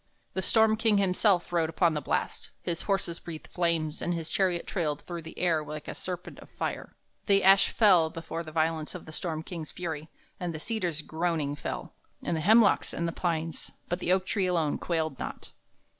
The storm king himself rode upon the blast; his horses breathed flames, and his chariot trailed through the air like a serpent of fire. The ash fell before the violence of the storm king's fury, and the cedars groaning fell, and the hemlocks and the pines; but the oak tree alone quailed not.